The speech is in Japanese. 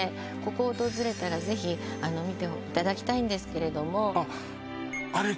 ここを訪れたらぜひ見ていただきたいんですけれどもあっあれ